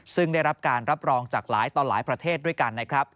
ซึ่งได้รับการรับรองจากหลายต่อหลายประเทศด้วยกันนะครับ